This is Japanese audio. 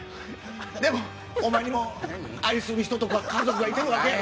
でもお前にも愛する人とか家族がいてるわけやろ。